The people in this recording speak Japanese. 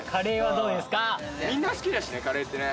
みんな好きだしねカレーってね。